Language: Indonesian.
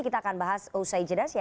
kita akan bahas usai jedas ya